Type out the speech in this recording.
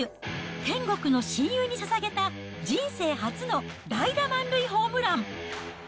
天国の親友にささげた人生初の代打満塁ホームラン。